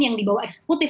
yang dibawa eksekutif